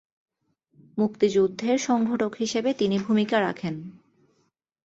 মুক্তিযুদ্ধের সংগঠক হিসেবে তিনি ভূমিকা রাখেন।